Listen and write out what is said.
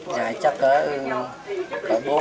nhà chắc có bốn trăm linh năm trăm linh